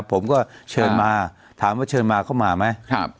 ผมก็เชิญมาถามว่าเชิญมาเข้ามาไหม